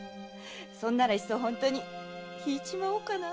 それならいっそ本当にひいちまおうかな。